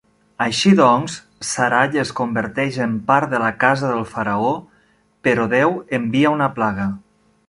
Així doncs, Sarai es converteix en part de "la casa del faraó", però déu envia una plaga.